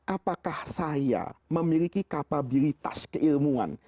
apakah saya memiliki kapabilitas keilmuan